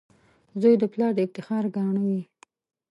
• زوی د پلار د افتخار ګاڼه وي.